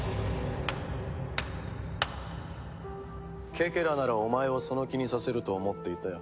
ケケラならお前をその気にさせると思っていたよ。